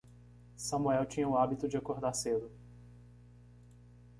Sumuel tinha o hábito de acordar cedo.